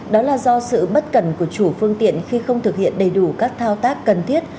đó là do sự bất cần của chủ phương tiện khi không thực hiện đầy đủ các thao tác cần thiết